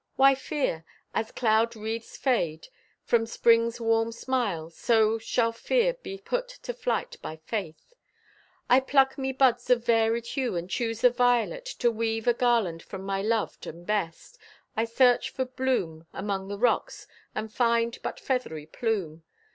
Why fear? As cloud wreaths fade From spring's warm smile, so shall fear Be put to flight by faith. I pluck me buds of varied hue and choose the violet To weave a garland for my loved and best. I search for bloom among the rocks And find but feathery plume.